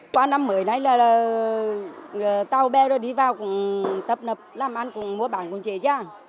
qua năm mới này là tàu bé đi vào cũng tấp nập làm ăn cũng mua bán cũng chế chán